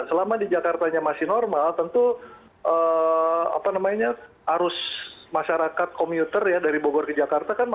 selama di jakartanya masih normal tentu arus masyarakat komuter ya dari bogor ke jakarta kan